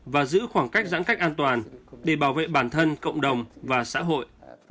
và giữ khoảng cách giãn cách an toàn để bảo vệ bản thân cộng đồng và xã hội